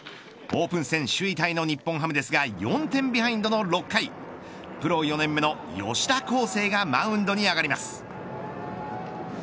オープン戦首位タイの日本ハムですが４点ビハインドの６回プロ４年目の吉田輝星がマウンドに上がります。